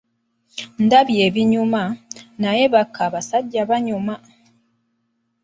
Ndabye ebinyuma, naye baka basajja banyuma.